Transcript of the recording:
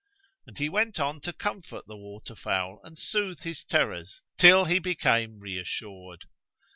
And he went on to comfort the water fowl and soothe his terrors till he became reassured.